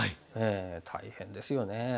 大変ですよね。